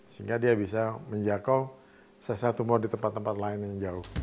sehingga dia bisa menjaga sesatuma di tempat tempat lain yang jauh